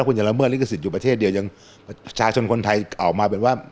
คุณจะละเมิดลิขสิทธิ์อยู่ประเทศเดียวยังประชาชนคนไทยออกมาเป็นว่า